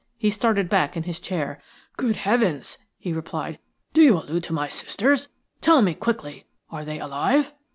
He started back in his chair. "Good heavens!" he replied. "Do you allude to my sisters? Tell me, quickly, are they alive?"